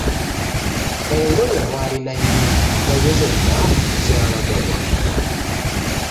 Engoye walina nnyingi naye zonna zaalaga wa?